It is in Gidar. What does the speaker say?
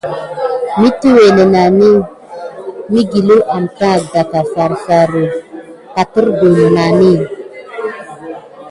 Mitiwé nenani dəga səza migueliw amtaŋ farfar, katerguh nənani.